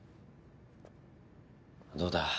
どうだ？